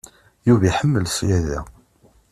Yuba iḥemmel ṣyada.